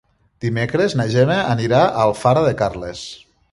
Dimecres na Gemma anirà a Alfara de Carles.